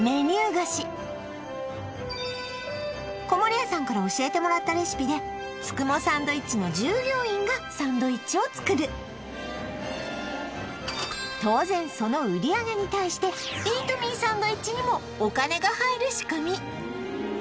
貸し籠谷さんから教えてもらったレシピでツクモサンドイッチの従業員がサンドイッチを作る当然その売上に対してイートミーサンドイッチにもお金が入る仕組み